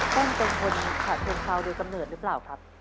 เปิ้ลเป็นคนฉะเชิงเซาโดยกำเนิดหรือเปล่าครับ